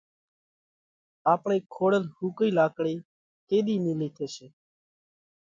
آپڻئِي کوڙل ۿُوڪئِي لاڪڙئِي ڪِيۮِي نيلئِي ٿيشي؟